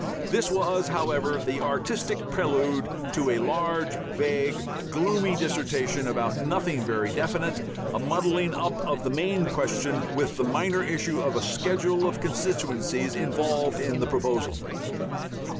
This was, however, the artistic prelude to a large, vague, gloomy dissertation about nothing very definite, a muddling up of the main question with the minor issue of a schedule of constituencies involved in the proposal.